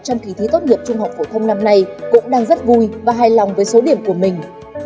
trong kỳ thi tốt nghiệp trung học phổ thông năm nay cũng đang rất vui và hài lòng với số điểm của mình